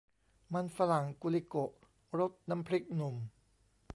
มันฝรั่งกูลิโกะ รสน้ำพริกหนุ่ม !